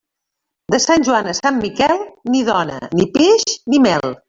De Sant Joan a Sant Miquel, ni dona, ni peix, ni mel.